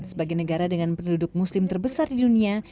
sebagai negara dengan penduduk muslim terbesar di dunia